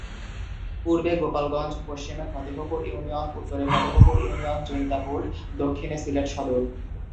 পূর্বে গোলাপগঞ্জ, পশ্চিমে ফতেহপুর ইউনিয়ন, উত্তরে ফতেহপুর ইউনিয়ন, জৈন্তাপুর, দক্ষিণে সিলেট সদর।